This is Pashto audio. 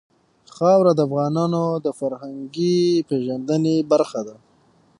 خاوره د افغانانو د فرهنګي پیژندنې برخه ده.